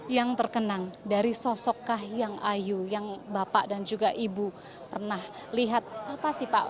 yang terkenang dari sosok kahiyang ayu yang bapak dan juga ibu pernah lihat apa sih pak